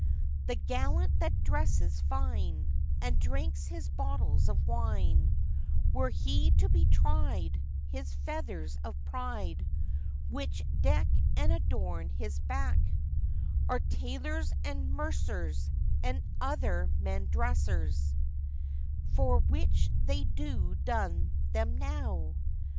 The gallant that dresses fine, And drinks his bottles of wine, Were he to be tried, his feathers of pride, Which deck and adorn his back, Are tailors' and mercers', and other men dressers, For which they do dun them now.